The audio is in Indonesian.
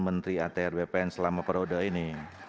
menteri atr bpn selama periode ini